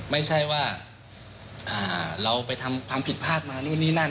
ไม่ใช่ว่าเราไปทำความผิดพลาดมานู่นนี่นั่น